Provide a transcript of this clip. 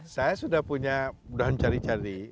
saya sudah punya sudah mencari cari